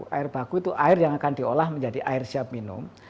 air baku itu air yang akan diolah menjadi air siap minum